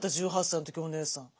１８歳の時お姉さん。